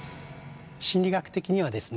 心理学的にはですね